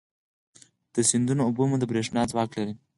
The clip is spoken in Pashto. د سیندونو اوبه مو د برېښنا ځواک لري.